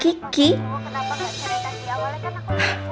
kenapa gak ceritain di awalnya kan aku gak jawab